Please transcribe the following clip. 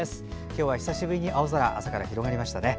今日は久しぶりに青空が朝から広がりましたね。